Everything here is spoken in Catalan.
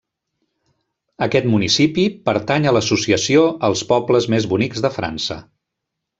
Aquest municipi pertany a l'associació Els pobles més bonics de França.